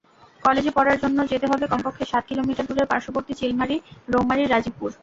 কলেজে পড়ার জন্য যেতে হবে কমপক্ষে সাত কিলোমিটার দূরের পার্শ্ববর্তী চিলমারী-রৌমারী-রাজীবপুর।